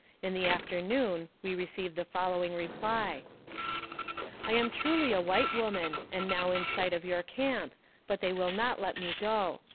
In the afternoon we received the following reply : "I am truly a white woman, and now in sight of your camp, but they will not let me go.